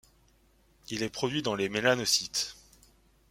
Il est produit dans les mélanocytes.